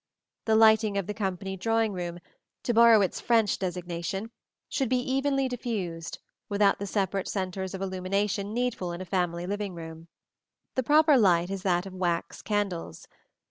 The lighting of the company drawing room to borrow its French designation should be evenly diffused, without the separate centres of illumination needful in a family living room. The proper light is that of wax candles.